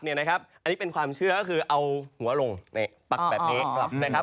อันนี้เป็นความเชื่อก็คือเอาหัวลงในปักแบบนี้นะครับ